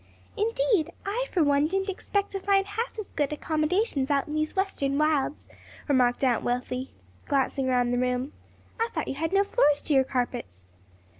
"Indeed, I, for one, didn't expect to find half as good accommodations out in these western wilds," remarked Aunt Wealthy, glancing round the room. "I thought you had no floors to your carpets."